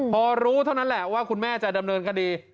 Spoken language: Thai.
พอรู้เท่านั้นแหละว่าคุณแม่จะดำเนินคดี